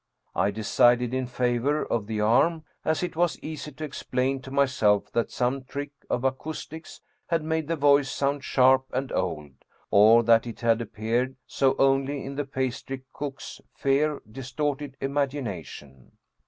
I decided in favor of the arm, as it was easy to explain to myself that some trick of acoustics had made the voice sound sharp and old, or that it had appeared so only in the pastry cook's fear distorted imagination.